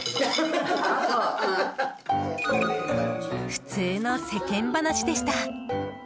普通の世間話でした。